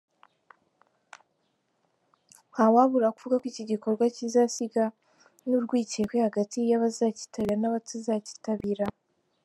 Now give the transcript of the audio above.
Ntawabura kuvuga ko iki gikorwa kizasiga n’urwikekwe hagati y’abazakitabira n’abatazakitabira.